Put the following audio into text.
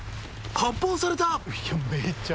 「発砲された！」